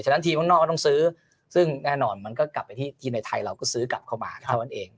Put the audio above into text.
ฉะทีมข้างนอกก็ต้องซื้อซึ่งแน่นอนมันก็กลับไปที่ทีมในไทยเราก็ซื้อกลับเข้ามาเท่านั้นเอง